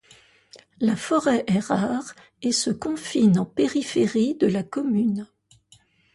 La forêt est rare et se confine en périphérie de la commune.